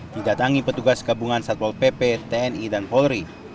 didatangi petugas kabungan satwol pp tni dan polri